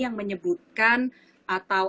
yang menyebutkan atau